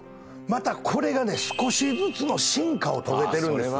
またこれがね少しずつの進化を遂げてるんです